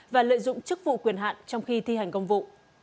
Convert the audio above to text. và lợi dụng chức vụ quyền hạn trong khi thi hành công vụ